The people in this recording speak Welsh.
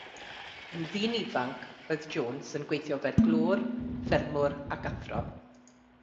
Yn ddyn ifanc, roedd Jones yn gweithio fel glöwr, ffermwr ac athro.